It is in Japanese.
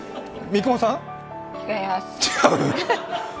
三雲さん。